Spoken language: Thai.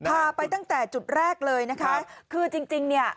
พาไปตั้งแต่จุดแรกเลยนะคะคือจริงจริงเนี่ย